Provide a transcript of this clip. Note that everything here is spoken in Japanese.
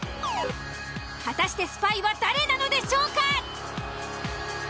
果たしてスパイは誰なのでしょうか？